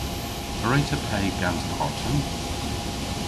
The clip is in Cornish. A wre'ta pe gans karten?